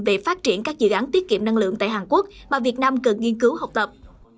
về phát triển các dự án tiết kiệm năng lượng tại hàn quốc mà việt nam cần nghiên cứu học tập